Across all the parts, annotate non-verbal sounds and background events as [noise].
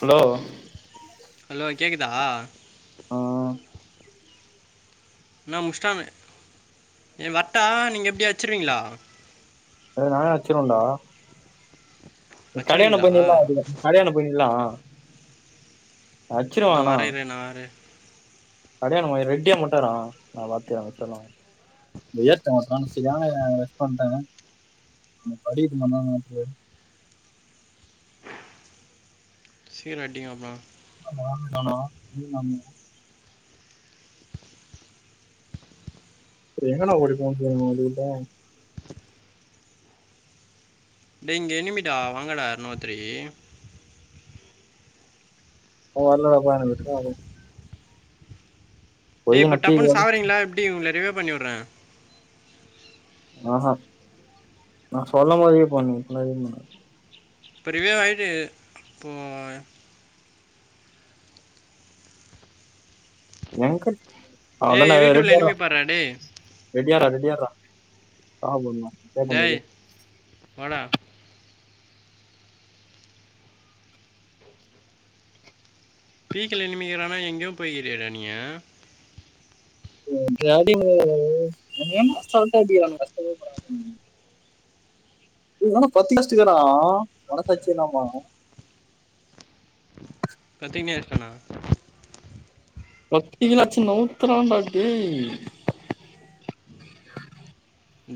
Hello hello கேக்குதா ஆ நா முஷ்டானு எ வர்ட்டா நீங்க எப்டி அச்சுருவீங்களா நானே அச்சிரவன்டா கடயான்ட வச்சிருவீங்களா போய் நில்லே வருவ கடயாண்ட போயி நில்லா இந்தோ வர இரு நா வர கடயாண்ட ரெடீயா மட்டூ இரே நா பாத்துக்ற முடிச்சர்லா இந்த ஏத்த ஒருத்த சரியான [unintelligible] படிக்கது மட்டுந்தா மேட்ரு சீக்ரோ அடிங்க அப்போ [unintelligible] எங்கனா ஓடி போவுனு சொல்லுங்க ஓடிக்கட்டு டே இங்க எனிமிடா வாங்கடா இன்னோத்ரே நா வர்ல ஒக்காந்து விட்ராதே டே இப்ப ஒதுங்கின பீ டப்புன்னு சாவுரீங்களா எப்டி ஒங்கல ரிவே பண்ணி வுட்றே ஆஹ நா சொல்ல போதே பண்ணு இப்பனா [inaudible] இப்ப ரிவே ஆயிடு இப்போ எங்கர்க் அதனா ஏய் வீட்டுக்குள்ள [unintelligible] எனிமி பாடுறா டேய் ரெடியார்ரா ரெடியாரா சாபுட்னு டேய் வாடா பீக்ல நிமிக்கிறானா எங்கோ போய்கிறீயேடா நீய [inaudible] ஏன்டா சவுண்ட வக்கிறானுங் பசங் ஏ இவே என்னா [unintelligible] மனசாட்சியில்லாம பிரத்திங்னெ ஆய்ட்டன்னா பப்ஜிகள அடிச்சு நவூத்ராண்டா டேய்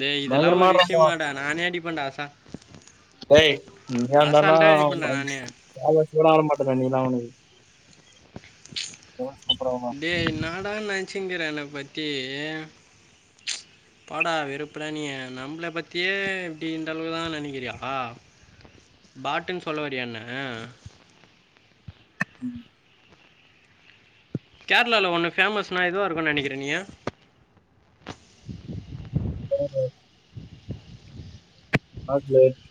டே இதெல்லா பயங்கரமா ஒரு இருந்தா விஷயமாடா நானே அடிப்பன்டா சா எய் நீயந்தானா அவ் அவ் நானே கால் வாசி கூட ஆட மாட்டடா நீலா அவனுக்கு அப்புறம் டேய் நான் என்னா நெனச்சுங்கிற என்ன பத்தி போடா வெறுப்புடா நீ நம்பள பத்தியே இப்டின்றளவு தா நெனக்கிறியா பாட்டுன் சொல்ல வர்றியா என்ன ம் கேர்ளால ஒன்னு ஃபேமஸ்னா எதுவாருக்னு நெனக்கிற நீயி [unintelligible] [unintelligible]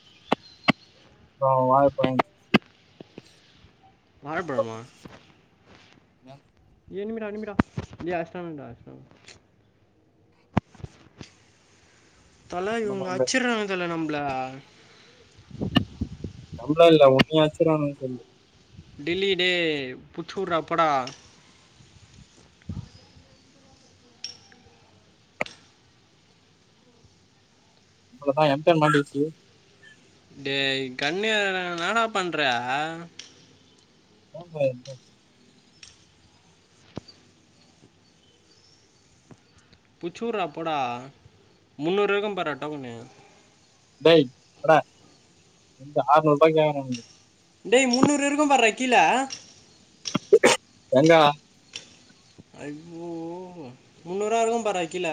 ஆ வாழபழங்க வாழ பழமா [unintelligible] எனிமிடா எனிமிடா ஏ அச்ட்டான்னான்டா அச்ட்டா தல என்ன பண்ண இவுன்ங்க முடியாது. அச்றாங்க தல நம்மள நம்ள இல்ல ஒன்னிய அச்ட்ரானுங்கனு சொல்லு டெல்லி டே புச்சூர்ரா போடா அவ்ளோதா எம்பேர் மாட்டிகிச்சு டே கண்ணு எடுடானா இன்னாடா பண்ற [unintelligible] புச்சூறா போடா முன்நூறு இருக்குபார்ரா டோக்கணு டேய் போடா இது ஆர்நூற்பாக்கி வாங்கீன் வந்து டேய் முன்னூறு இருக்குபார்ரா கீழ எங்கா ஐய்யோ முன்னூறுவா இருக்குபார்ரா கீழ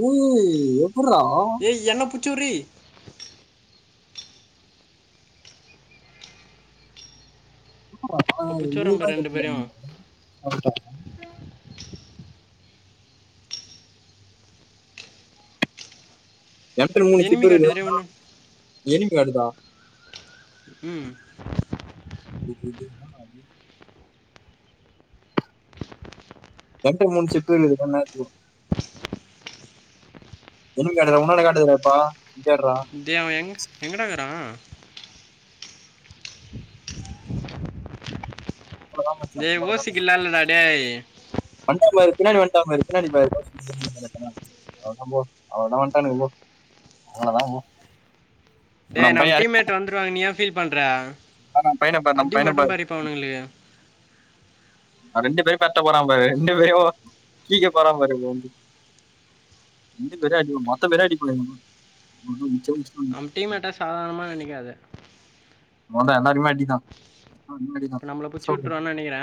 ஓய் எப்புற்றா ஏய் என்ன புச்சுர்ரி அப்பா இப்போ பிடிச்சோரம்ப நூறுபாக்கு ரெண்டு எப்டின பேரையும் வாங்கிருப்பாரு வாழபழமா எகிட்ட மூணு எனிமி காட்டுதுரே சிப்பிருக்குது ஒன்று எனிமி காட்டுதா ம் [unintelligible] என்ட மூனு சிப்பு இருக்குது வேணுனா எடுத்துக்கோ என்னுக்கு காட்டுது உன்னாட காட்டுதுறா இப்போ தேடுறா டேய் அவ எங்க எங்கடாருக்கிறா [unintelligible] அவ்வளவுதான் மச்சான் டேய் ஓசி கிள்ள இல்லடா டேய் வண்ட்டா பாரு பின்னாடி வண்ட்டா பாரு பின்னாடி பாரு [unintelligible] அவ்ளதா போ அவ்ளதா வட்டானுங்க போ அவ்ளதா போ இப்ப டே நம்ம பையன் அடி- டீம்மேட் வந்துருவாங்க நீயா ஃபீல் பண்ற ஆ, நம்ம பையனை பாரு நம்ம அடி பையனை மட்டு பாரு அவனுங்களுக்கு ரெண்டு பேரு பெர்ட போறா பாரு ரெண்டு பேரு கீ்க்க போறா பாரு இப்ப வந்து ரெண்டு பேரியு அடிவிழு மொத்த பேரியு அடிப்பானுங்க [unintelligible] நம்ம டீம் மேட்ட சாதாரணமா நெனைக்காத போறா எல்லாரியுமே அடிதா அடி தா சொ பண்ணிக்கிற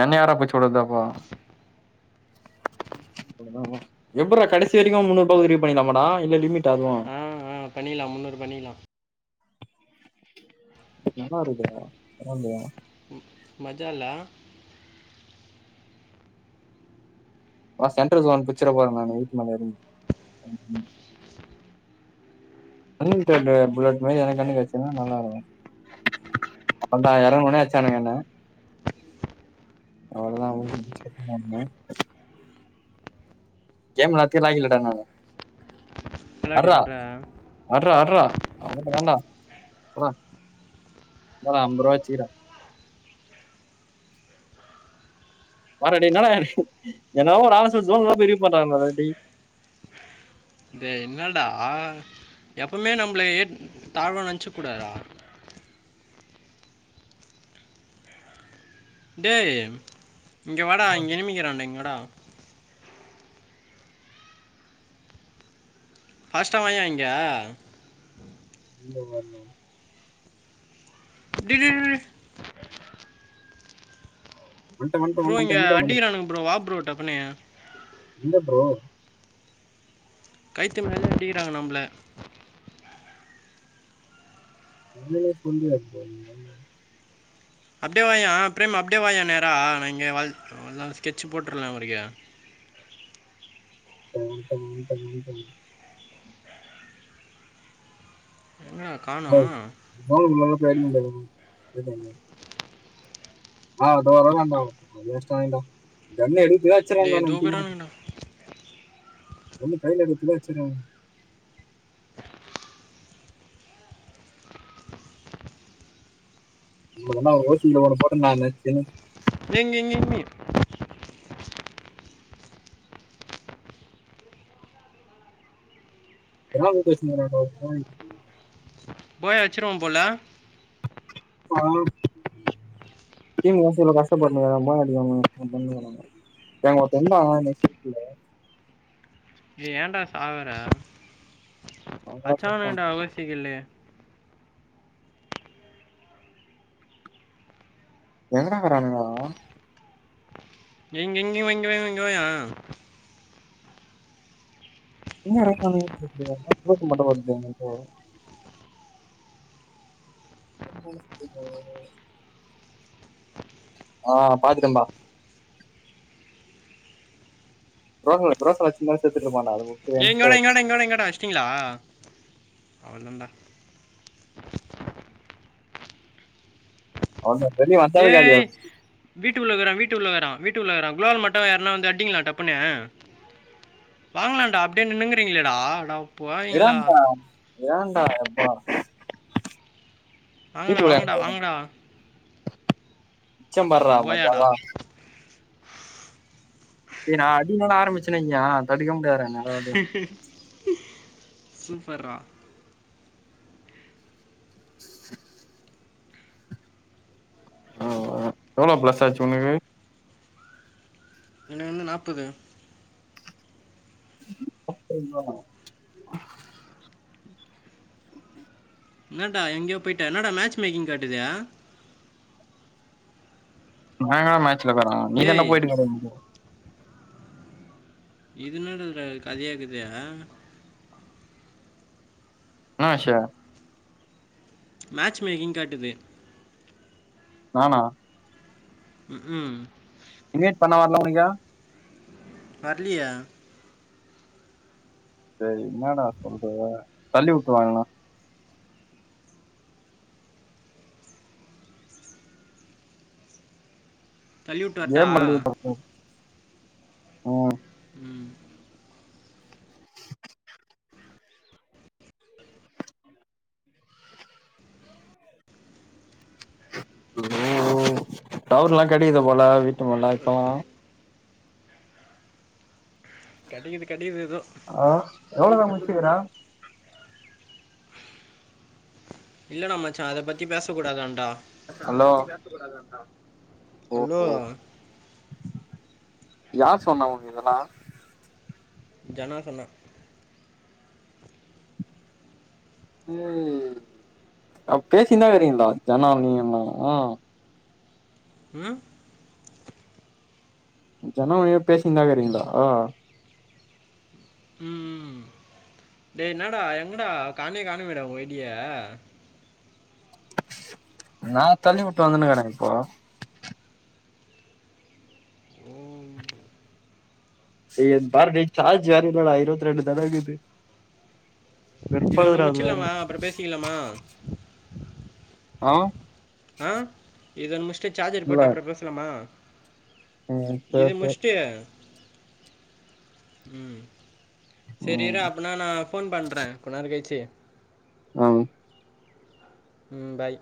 என்ன யாரா போல்ச்சி வுடுறதப்போ [unintelligible] ஆமா எப்புறா கடைசி வெரிக்கு முன்னுறுபவுல்கு எடிட் பண்ணிக்லாமாடா இல்ல லிமிட் அ அதுவு ஆ ஆ பண்ணிக்கலா முன்நூறு பண்ணிகலா எங்கென்ன இருக்குதா [unintelligible] மஜாலா வா சென்ட்ர்ஜோன் பிச்சிர பாருங்க நம்ம விட்டு மேல ஏறி நின்னு அன்ன வீட்டாண்ட புல்லட் மாரி எனக்ஒன்னு கெடச்சிதுண்ணா நல்லா இருக்கு அப்றோ எரங்கன ஒடனே அச்சானுங்க என்ன அவளதா உயிர் பிச்ச எதுகன ஒடனே கேம் விலாத்துக்கே லாய்கு இல்ல டா நானு பின்னாடி சொல்ற அட்ரா அட்றா அதுக்குதான்டா போடா இந்தாடா அம்பூறா வச்சிக்ற பாரா டேய் என்னடா என்ன லா ஒரு ஆளா சொல் ஜோன்குல்லா பிரிக்க போறன்றானுங்க டா டேய் டேய் என்னடா எப்பமே நம்பள ஏட் தாழ்வ நன்ச்சுக் கூடாதுடா டேய் இங்க வாடா இங்க இருமிங்கிறாண்ட இங்க வாடா ஃபாஸ்ட்டா வாயே இங்க [inaudible] டே டே டேய் வன்ட்ட வன்ட்ட ப்ரோ வன்ட்ட இங்க வன்ட்ட அடிகிரானுங்க ப்ரோ வா ப்ரோ டப்புன்னே இந்த ப்ரோ கைத்து மேலயே அடிக்கிறாங்க நம்பள உள்ளவே [unintelligible] அப்டியே வாயா பிரேம் அப்டியே வாயே நேரா அ நா இங்க வள் வந்த ஒனே ஸ்கெட்ச் போட்றலா அவருக்கே டோன் டோன் டோன் டோ எங்கடா கானோ வா ப்ரோ போய் வாங்கினு வந்துள்ளா எ டி எம் ல ஆ தோ வாறானா பாரு வேஸ்ட் ஆயிடு கண் எடுக்கியா அச்சிருவானுங்க டேய் நம்ம டீம் அ தூக்குறானுங்கடா கண்னு கையில எடுக்குறதுக்குள்ள அட்சிர்வானுங்க உனுக்கு நா ஓசி ல வர சொகோ தானு நெனச்சுன்னு ஏங் கிங் கிங்கு வேளான்னு பேசினு கிராண்ட பாய் போய் அச்சிருவா போல [unintelligible] டேய் ஒருத்தன் இருந்தா [unintelligible] ஏ ஏன்டா சாவுர அவன்டா செத்தான் அச்சானுங்கடா ஓசிக்கல்லு எங்கடாகிறானுங்கா அவ இங்க இங்க வா இங்க வா இங்க வாயே [inaudible] [inaudible] ஆ பாத்துட்டன் பா [unintelligible] ஏ இங்கவாடா இங்கவாடா இங்கவாடா இங்கவாடா அஸ்டீங்களா அவ்ளோதாண்டா [unintelligible] ஏய் ஆகும் வீட்டுஉள்ளகுறான் வீட்டு உள்ள வறான் வீட்டு உள்ள குளால் மட்டும் யார்னா வந்தா அடிங்கள டப்புன்னு வாங்கலான்டா அப்டியே நின்னுங்கிறீங்ளேடா அடாப் இராண்டா ஏண்டா யப்பா வாங்கடா வாங்கடா வாங்கடா அச்சம் பார்றா போயாடா மஜாவா ஏ நா அடிக்ன்னு ஆரம்பிச்சன் வெய்யா தடுக்கவே முடியாதுடா என்ன சூப்பர் ரா ஆ எவ்ளோ ப்ளஸ் ஆச்சு உனக்கு எனக் வந்து நாப்பது [inaudible] என்னடா எங்கயோ போயிட்டா என்னடா மேச் மேக்கிங் காட்டுது நா எங்கடா மேட்சுல வர்றே நீ டேய் தான்டா போயிட்டிங்க எங்கயோ இது என்னடா இதுல கதையாக்குது என்ன ஆச்சி மேச் மேக்கிங் காட்டுது நானா ம் ம் இன்வைட் பண்ண வர்ல ஒனக்கு வர்லியே டேய் என்னடா சொல்ற தள்ளி உட்டு வாங்கன்னா தள்ளி விட்டு வரட்டா கேம் ஆடியே பாப்போ ம் லோ டவர்ல்லா கெடைக்கிது போல வீட்டுமேல இப்பல்லா கெடைக்கிது கெடைக்கிது ஏதோ ஆ எவ்ளதா முடிச்சிக்கிற இல்லடா மச்சா அத பத்தி பேசக் கூடாதான்டா ஹலோ ஹல்லோ ஓஹோ யார் சொன்னா ஒனக்கு இதெல்லா ஜனா சொன்னா ஏய் அப்ப பேசின்னுதா இருக்கீறீங்களா ஜனாவு நீயு இன்னு ம் ஜனாவு நீயு பேசின்னுதா இருக்கீறீங்களா ம் ம் டே என்னடா எங்கடா காணவே கானுமேடா உங்க ஐ டிய நா தள்ளி உட்டு வந்துன்னு இருக்குறே இப்போ ஓ டேய் ஏ பார்டேய் ஜார்ஜ் வேற இல்லடா இருவத்து ரெண்டு தான்டா இருக்குது இது ஒண்ணு வெறுப்பாகுதுடா அது வேற முச்சிர்லாமா அப்பறோ பேசிக்கலாமா ஆ இது ஒன்னு முடிச்ட்டு சார்ஜர் இல்ல போட்டு அப்பறோ பேசலாமா ம் இது சேர் சேர் முடிச்ட்டு ம் செரி ம் இர்ரா அப்பனா நா ஃபோன் பண்றே கொஞ் நேரோ கழிச்சி ஆ ம் பாய்